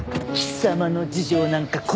貴様の事情なんか